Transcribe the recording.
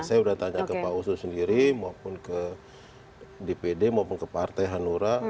saya sudah tanya ke pak oso sendiri maupun ke dpd maupun ke partai hanura